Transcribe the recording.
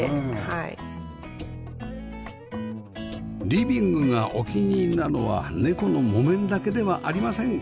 リビングがお気に入りなのは猫のもめんだけではありません